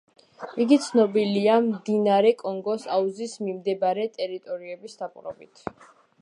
იგი ცნობილია მდინარე კონგოს აუზის მიმდებარე ტერიტორიების დაპყრობით.